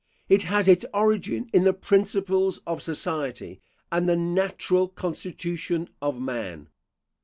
It has its origin in the principles of society and the natural constitution of man.